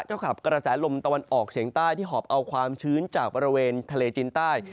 กับกระแสลมตะวันออกเฉียงใต้ที่หอบเอาความชื้นจากบริเวณทะเลจีนใต้